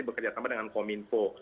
bekerja sama dengan kominfo